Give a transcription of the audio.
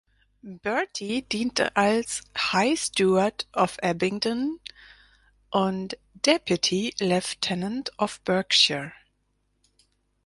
Bertie diente als "High Steward of Abingdon" und "Deputy Lieutenant of Berkshire".